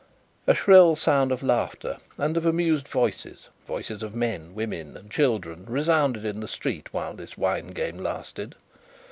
A shrill sound of laughter and of amused voices voices of men, women, and children resounded in the street while this wine game lasted.